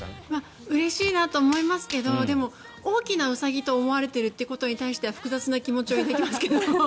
うれしいなと思いますけど大きなウサギと思われてることに対しては複雑な気持ちを抱きますけどね。